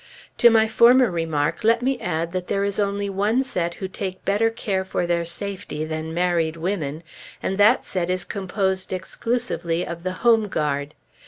To my former remark, let me add that there is only one set who take better care for their safety than married women; and that set is composed exclusively of the "Home Guard."